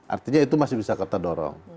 artinya itu masih bisa kita dorong